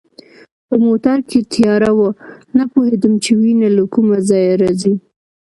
په موټر کې تیاره وه، نه پوهېدم چي وینه له کومه ځایه راځي.